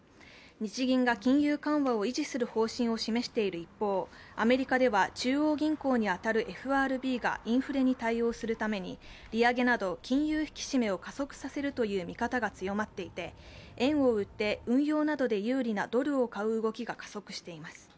日銀が金融緩和を維持する方針を示している一方、アメリカでは中央銀行に当たるＦＲＢがインフレに対応するために利上げなど金融引き締めを加速させるという見方が強まっていて、円を売って運用などで有利なドルを買う動きが加速しています。